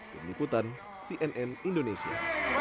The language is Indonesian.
peniputan cnn indonesia